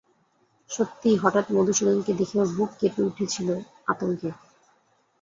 সত্যিই হঠাৎ মধুসূদনকে দেখে ওর বুক কেঁপে উঠেছিল আতঙ্কে।